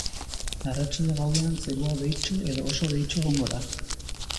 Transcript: Arratsalde-gauean zerua hodeitsu edo oso hodeitsu egongo da.